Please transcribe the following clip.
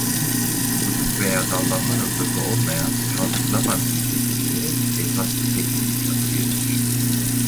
Kutup veya dallanma noktası olmayan kaldırılamaz bir tekilliğe esaslı tekillik adı verilir.